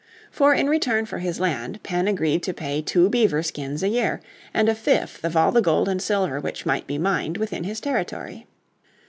For in return for his land Penn agreed to pay two beaver skins a year, and a fifth of all the gold or silver which might be mined within his territory.